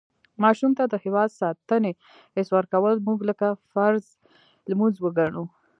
ماشوم ته د هېواد ساتنې حس ورکول مونږ لکه فرض لمونځ وګڼو.